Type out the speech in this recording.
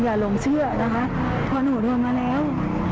อย่าหลงเชื่อนะครับเพราะหนูโทรมาแล้ว